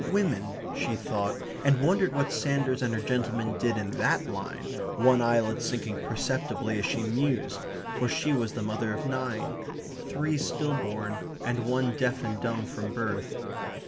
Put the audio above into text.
"Women" she thought, and wondered what Sanders and her gentleman did in THAT line, one eyelid sinking perceptibly as she mused, for she was the mother of nine three still born and one deaf and dumb from birth.